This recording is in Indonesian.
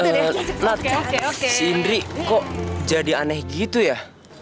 eh nat si indri kok jadi aneh gitu ya